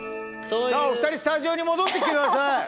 お２人スタジオに戻ってきてください！